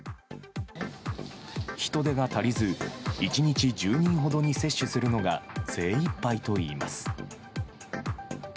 人手が足りず、１日１０人ほどに接種するのが精いっぱいといいます。